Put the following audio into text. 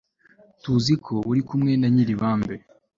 tuzi ko uri kumwe na nyiribambe